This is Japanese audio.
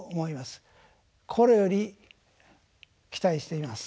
心より期待しています。